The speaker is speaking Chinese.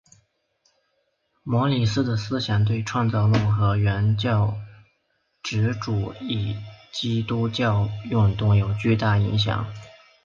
摩里斯的思想对创造论和原教旨主义基督教运动有巨大影响。